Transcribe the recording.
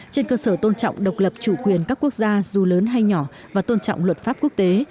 trên cơ sở tôn trọng độc lập chủ quyền các quốc gia dù lớn hay nhỏ và tôn trọng luật pháp quốc tế